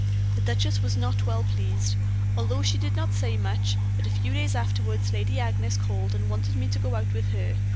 The duchess was not well pleased, although she did not say much; but a few days afterward Lady Agnes called and wanted me to go out with her.